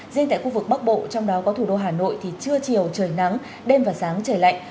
riêng tại khu vực bắc bộ trong đó có thủ đô hà nội thì trưa chiều trời nắng đêm và sáng trời lạnh